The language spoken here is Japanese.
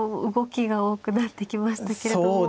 動きが多くなってきましたけれども。